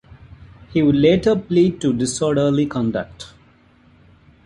He would later plead to disorderly conduct.